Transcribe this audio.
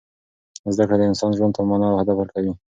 زده کړه د انسان ژوند ته مانا او هدف ورکوي.